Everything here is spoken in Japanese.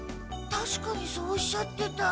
たしかにそうおっしゃってた。